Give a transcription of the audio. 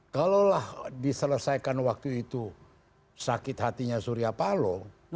kalau lah diselesaikan waktu itu sakit hatinya surya palo